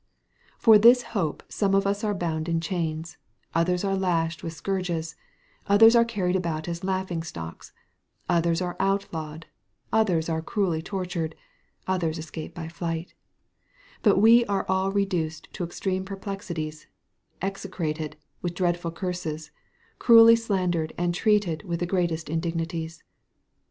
" For this hope some of us are bound in chains, others are lashed with scourges, others are carried about as laughing stocks, others are outlawed, others are cruelly tortured, others escape by flight; but we are all reduced to extreme perplexities, execrated with dreadful curses, cruelly slandered and treated with the greatest indignities.